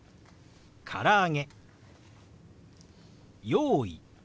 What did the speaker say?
「用意」。